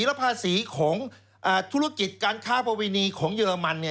และภาษีของธุรกิจการค้าประเวณีของเยอรมัน